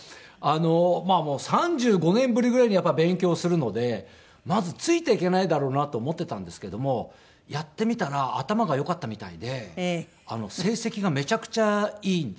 まあもう３５年ぶりぐらいにやっぱり勉強するのでまずついていけないだろうなと思っていたんですけどもやってみたら頭がよかったみたいで成績がめちゃくちゃいいんですね。